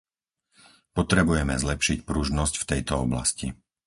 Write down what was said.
Potrebujeme zlepšiť pružnosť v tejto oblasti.